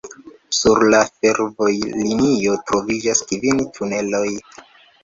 Sur la fervojlinio troviĝas kvin tuneloj.